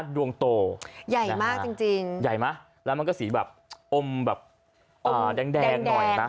ดวงโตใหญ่มากจริงใหญ่ไหมแล้วมันก็สีแบบอมแบบแดงหน่อยนะ